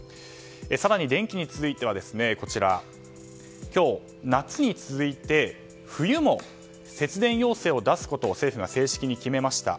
更に電気に続いては今日、夏に続いて冬も節電要請を出すことを政府が正式に決めました。